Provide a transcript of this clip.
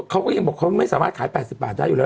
เขาก็ยังบอกครับไม่สามารถขาย๘๐บาททั้งการได้อยู่แล้ว